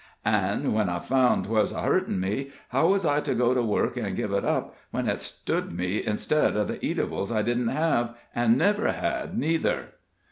An' when I foun' 'twas a hurtin' me, how was I to go to work an' giv' it up, when it stood me instead of the eatables I didn't have, an' never had, neither?"